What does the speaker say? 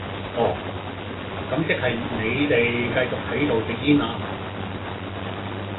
哦,咁即係你哋繼續喺度食煙呀?